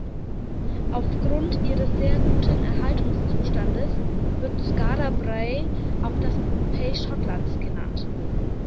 Aufgrund ihres sehr guten Erhaltungszustandes wird Skara Brae auch das „Pompeji Schottlands“ genannt.